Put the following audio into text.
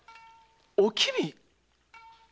「おきみ」